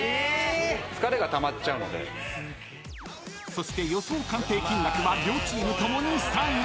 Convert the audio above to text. ［そして予想鑑定金額は両チーム共に３位］